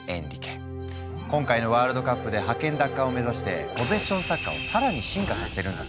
今回のワールドカップで覇権奪還を目指してポゼッションサッカーをさらに進化させてるんだって。